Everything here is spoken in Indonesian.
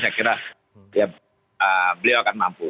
saya kira beliau akan mampu